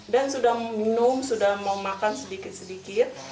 dan sudah minum sudah mau makan sedikit sedikit